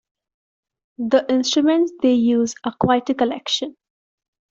The instruments they use are quite a collection.